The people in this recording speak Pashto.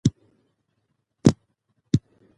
هغه حکومت چې رښتیا وايي ولس ورسره پاتې کېږي